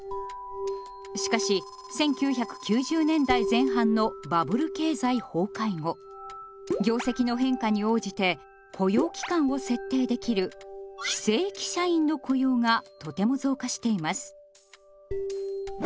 しかし１９９０年代前半のバブル経済崩壊後業績の変化に応じて雇用期間を設定できる「非正規社員」の雇用がとても増加しています。